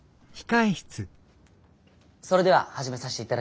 それでは始めさせて頂きます。